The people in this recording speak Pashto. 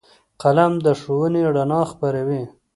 قلم د ښوونې رڼا خپروي